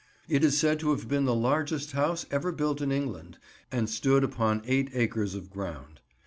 It is said to have been the largest house ever built in England, and stood upon eight acres of ground.